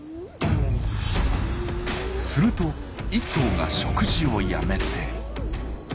すると１頭が食事をやめて。